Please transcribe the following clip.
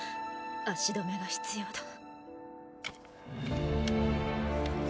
足止めが必要だ。